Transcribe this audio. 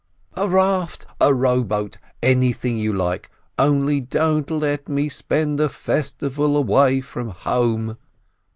"A raft, a rowboat, anything you like, only don't let me spend the festival away from home